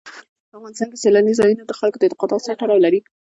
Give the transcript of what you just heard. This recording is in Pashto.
په افغانستان کې سیلانی ځایونه د خلکو د اعتقاداتو سره تړاو لري.